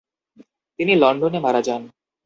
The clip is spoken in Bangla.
তিনি লন্ডনে মারা যান।